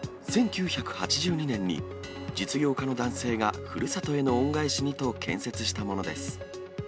１９８２年に実業家の男性がふるさとへの恩返しにと建設したものです。